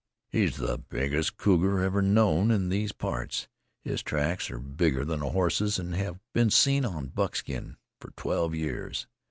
"He's the biggest cougar ever known of in these parts. His tracks are bigger than a horse's, an' have been seen on Buckskin for twelve years.